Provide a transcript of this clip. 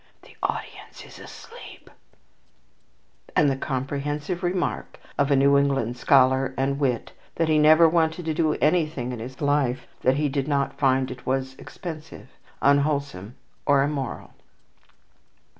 The audience is asleep"; and the comprehensive remark of a New England scholar and wit that he never wanted to do anything in his life, that he did not find it was expensive, unwholesome, or immoral.